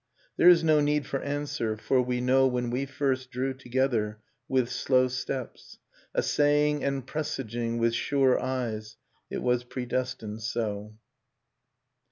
There is no need for answer, for we know When we first drew together, with slow steps. Assaying and presaging with sure eyes. It was predestined so.